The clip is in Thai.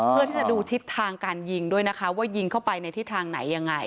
เพื่อที่จะดูทิศทางการยิงด้วยนะคะว่ายิงเข้าไปในทิศทางไหนยังไง